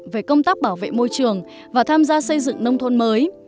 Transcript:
về công tác bảo vệ môi trường và tham gia xây dựng nông thôn mới